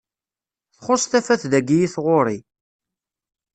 Txuṣṣ tafat dayi i tɣuri.